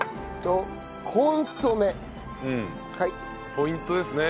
ポイントですね。